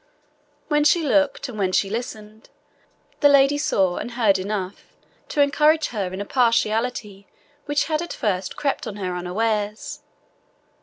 When she looked, and when she listened, the lady saw and heard enough to encourage her in a partiality which had at first crept on her unawares.